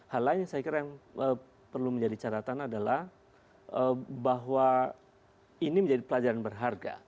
hal lain yang saya kira yang perlu menjadi catatan adalah bahwa ini menjadi pelajaran berharga